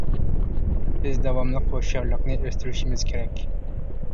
بىز داۋاملىق ھوشيارلىقنى ئۆستۈرۈشىمىز كېرەك.